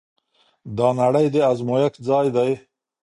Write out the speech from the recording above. دا نړۍ د ازمويښت ځای دی.